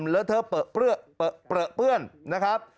แล้วเธอเปลื้อเปื้อนนะครับ